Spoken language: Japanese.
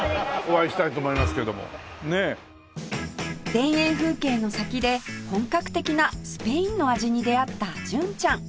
田園風景の先で本格的なスペインの味に出会った純ちゃん